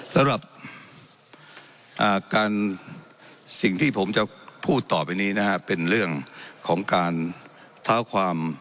สำหรับการสิ่งที่ผมจะพูดต่อไปนี้นะฮะเป็นเรื่องของการเท้าความ